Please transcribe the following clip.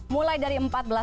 mulai dari empat belas